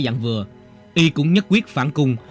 dạng vừa y cũng nhất quyết phản cung